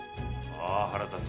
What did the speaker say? あ腹立つ。